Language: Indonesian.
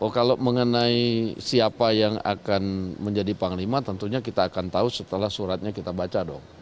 oh kalau mengenai siapa yang akan menjadi panglima tentunya kita akan tahu setelah suratnya kita baca dong